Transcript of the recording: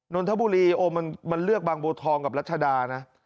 นนทบุรีโอ้มันเลือกบางบัวทองกับรัชดานะ